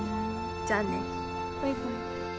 じゃあね。バイバイ。